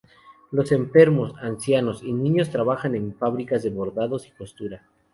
Los enfermos, ancianos y niños trabajaban en fabricas de bordados y costura.